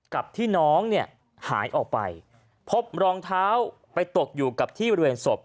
กับที่น้องเนี่ยหายออกไปพบรองเท้าไปตกอยู่กับที่บริเวณศพ